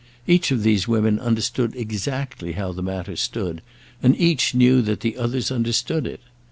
Each of these women understood exactly how the matter stood, and each knew that the others understood it.